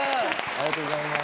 ありがとうございます。